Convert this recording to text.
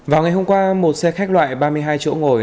vào ngày hôm qua một xe khách loại ba mươi hai chỗ ngồi